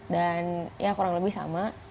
dan ya kurang lebih sama